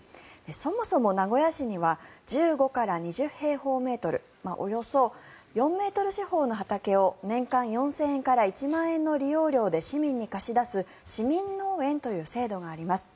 そもそも名古屋市には１５から２０平方メートルおよそ４ｍ四方の畑を年間４０００円から１万円の利用料で市民に貸し出す市民農園という制度があります。